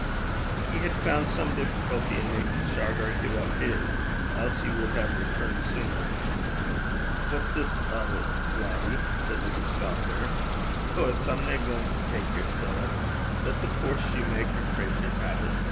He had found some difficulty in making Shargar give up his, else he would have returned sooner. 'What's this o' 't, laddie?' said Mrs. Falconer. 'Hoots! I'm nae gaein' to tak yer siller. Lat the puir soutar craturs hae 't.